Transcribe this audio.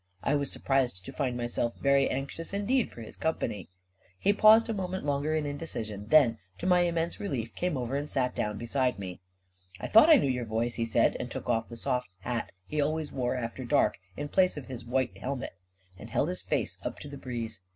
I was surprised to find myself very anxious indeed for his company ! He paused a moment longer in indecision; then, to my immense relief, came over and sat down be side me. 228 A KING IN fiABYLON 44 1 thought I knew your voice/' he said, and took off the soft hat he always wore after dark in place of his white helmet, and held his face up to the breeze.